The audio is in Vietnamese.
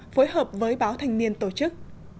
phối hợp với báo thành niên tổ chức